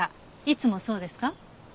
いつもそうですか？